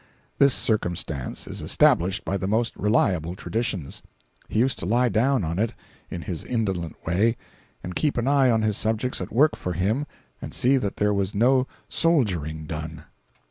This circumstance is established by the most reliable traditions. He used to lie down on it, in his indolent way, and keep an eye on his subjects at work for him and see that there was no "soldiering" done.